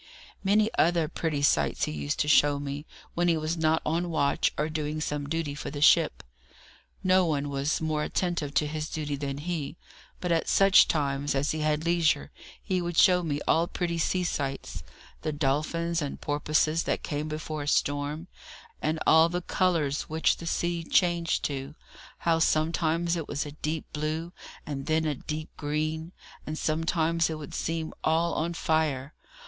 Many other pretty sights he used to show me, when he was not on watch or doing some duty for the ship. No one was more attentive to his duty than he, but at such times as he had leisure he would show me all pretty sea sights: the dolphins and porpoises that came before a storm, and all the colours which the sea changed to how sometimes it was a deep blue, and then a deep green, and sometimes it would seem all on fire.